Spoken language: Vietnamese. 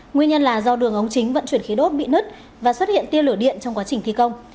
nguyên nhân là do đường ống chính vận chuyển khí đốt bị nứt và xuất hiện tiên lửa điện trong quá trình thi công